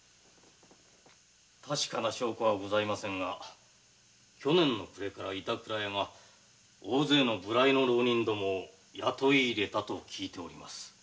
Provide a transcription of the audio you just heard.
確かな証拠はございませんが去年の暮れから板倉屋が大勢の浪人どもを雇い入れたと聞いております。